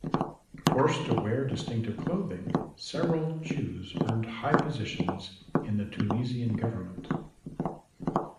Forced to wear distinctive clothing, several Jews earned high positions in the Tunisian government.